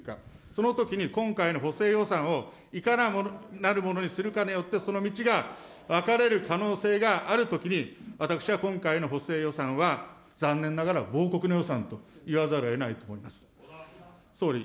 そのときに今回の補正予算を、いかなるものにするかによって、その道が分かれる可能性があるときに、私は今回の補正予算は、残念ながら亡国の予算といわざるをえないと思います。